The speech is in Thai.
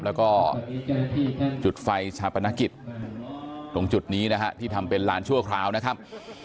แล้วก็จุดไฟชาปนกิจตรงจุดนี้นะฮะที่ทำเป็นลานชั่วคราวนะครับ